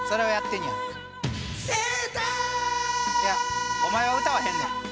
いやお前は歌わへんねん。